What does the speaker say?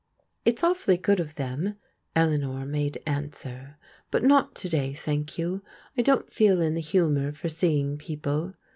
" It's awfully good of them," Eleanor made answer, " but not to day, thank you. I don't feel in the humour for seeing people.